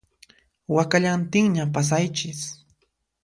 Wakallantinña pasaychis